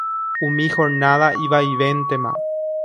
Umi jornada ivaivéntema.